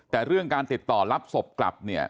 แต่เรื่องการติดต่อรับศพกลับเนี่ย